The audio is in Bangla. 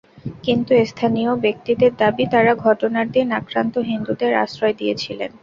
কিন্তু স্থানীয় ব্যক্তিদের দাবি, তাঁরা ঘটনার দিন আক্রান্ত হিন্দুদের আশ্রয় দিয়েছিলেন।